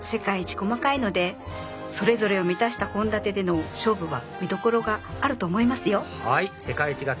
細かいのでそれぞれを満たした献立での勝負は見どころがあると思いますよ！